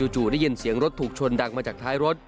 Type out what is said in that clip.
จู่ได้ยินเสียงรถถูกชนดังมาจากท้ายรถ